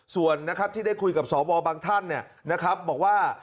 ส่วนนะครับที่ได้คุยกับสวบางท่านนะครับบอกว่า